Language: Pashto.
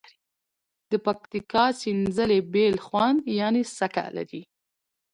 د پکتیکا سینځلي بیل خوند یعني څکه لري.